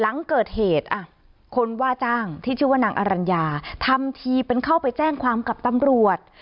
หลังเกิดเหตุนางอารัญยาท่านเกิดเกิดเป็นเข้าไปแจ้งความกับตำรวจ